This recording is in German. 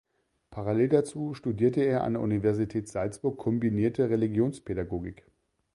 Parallel dazu studierte er an der Universität Salzburg Kombinierte Religionspädagogik.